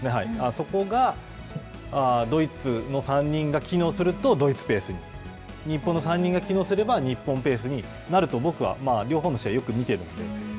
そこがドイツの３人が機能すると、ドイツペースに日本の３人が機能すれば、日本ペースになると、僕は両方の試合をよく見ているので。